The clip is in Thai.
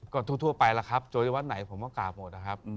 ก็ทั่วไปล่ะครับโจริยาวัดไหนผมกล่าวหมดครับ